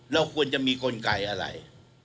เราควรจะมีกลไกอะไร